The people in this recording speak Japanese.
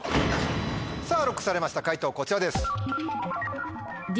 さぁＬＯＣＫされました解答こちらです。